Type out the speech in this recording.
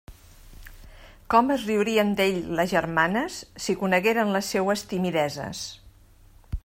Com es riurien d'ell les germanes si conegueren les seues timideses!